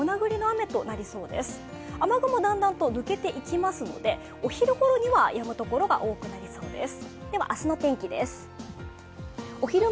雨雲はだんだんと抜けていきますのでお昼ごろにはやむところが多くなりそうです。